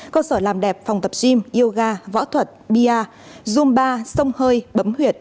cơ sở làm đẹp phòng tập gym yoga võ thuật bia zumba sông hơi bấm huyệt